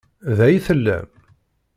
Da i tellam?